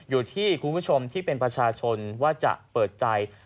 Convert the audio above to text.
อยู่ที่คุณผู้ชมที่เป็นประชาชนว่าจะเปิดใจ